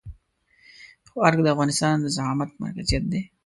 خو ارګ د افغانستان د زعامت مرکزيت دی.